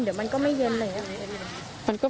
สบายใจขึ้นค่ะ